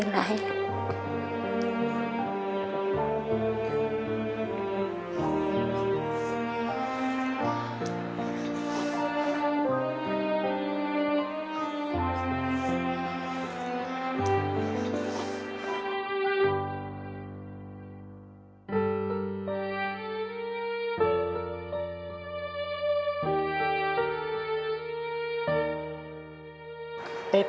อย่าลืมนะ